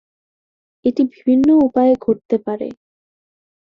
এটি বিভিন্ন উপায়ে ঘটতে পারে।